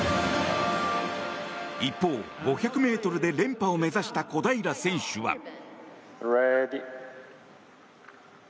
一方、５００ｍで連覇を目指した小平選手は。